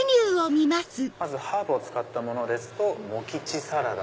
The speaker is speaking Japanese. まずハーブを使ったものですとモキチサラダ。